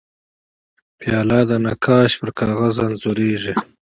پیاله د نقاش پر کاغذ انځورېږي.